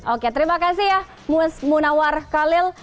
oke terima kasih ya mus munawar khalil